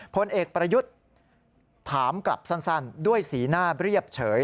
พลเอกประยุทธ์ถามกลับสั้นด้วยสีหน้าเรียบเฉย